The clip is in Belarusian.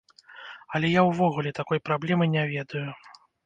Але я ўвогуле такой праблемы не ведаю.